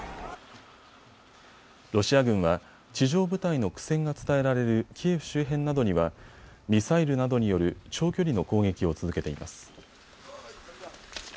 ロシア軍は地上部隊の苦戦が伝えられるキエフ周辺などにはミサイルなどによる長距離の攻撃を続けています。